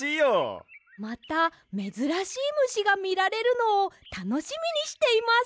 まためずらしいむしがみられるのをたのしみにしています！